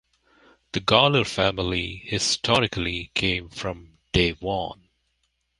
The Gawler family historically came from Devon.